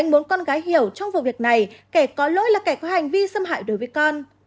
muốn con gái hiểu trong vụ việc này kẻ có lỗi là kẻ có hành vi xâm hại đối với con